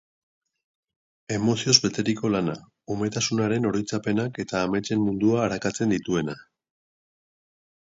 Emozioz beteriko lana, umetasunaren oroitzapenak eta ametsen mundua arakatzen dituena.